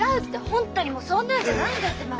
本当にもうそんなんじゃないんだってば！